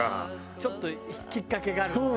ちょっときっかけがあるとね。